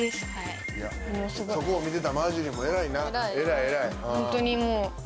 そこを見てたマージュリーも偉いな偉い偉い。